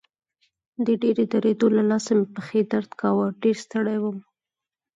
د ډېرې درېدو له لاسه مې پښې درد کاوه، ډېر ستړی وم.